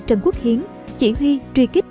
trần quốc hiến chỉ huy truy kích